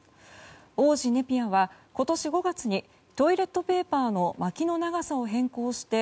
王子ネピアは、今年５月にトイレットペーパーの巻きの長さを変更して